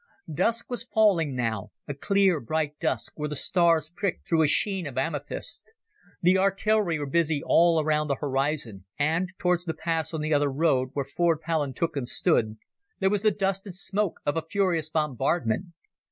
Dusk was falling now, a clear bright dusk where the stars pricked through a sheen of amethyst. The artillery were busy all around the horizon, and towards the pass on the other road, where Fort Palantuken stood, there was the dust and smoke of a furious bombardment.